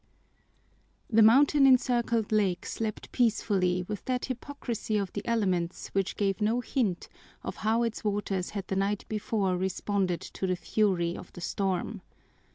The mountain encircled lake slept peacefully with that hypocrisy of the elements which gave no hint of how its waters had the night before responded to the fury of the storm.